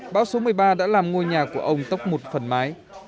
bão số một mươi ba đã làm ngôi nhà của ông tốc một phần mái